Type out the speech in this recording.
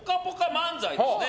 漫才ですね。